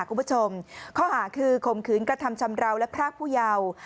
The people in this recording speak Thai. คุณผู้ชมข้อหาคือข่มขืนกระทำชำราวและพรากผู้เยาว์